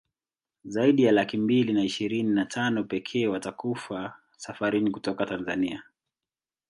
zaidi ya laki mbili na ishirini na tano pekee watakufa safarini kutoka Tanzania